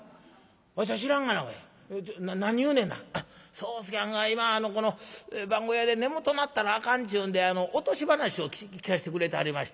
「宗助はんが今この番小屋で眠とうなったらあかんっちゅうんで落とし噺を聞かせてくれてはりまして。